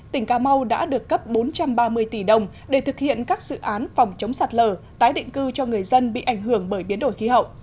tỉnh cà mau đã được cấp bốn trăm ba mươi tỷ đồng để thực hiện các dự án phòng chống sạt lở tái định cư cho người dân bị ảnh hưởng bởi biến đổi khí hậu